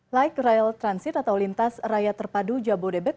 light rail transit atau lintas raya terpadu jabodebek